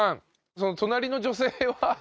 その隣の女性は？